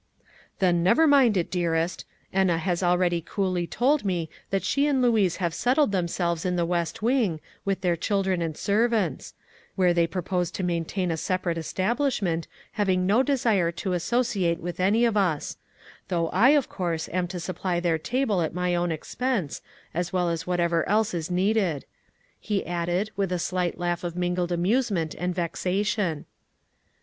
"Then never mind it, dearest. Enna has already coolly told me that she and Louise have settled themselves in the west wing, with their children and servants; where they purpose to maintain a separate establishment, having no desire to associate with any of us; though I, of course, am to supply their table at my own expense, as well as whatever else is needed," he added, with a slight laugh of mingled amusement and vexation.